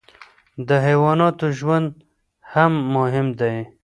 د حیواناتو ژوند هم مهم دی.